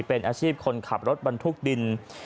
เป็นอาชีพคนขับรถบรรทุกดิน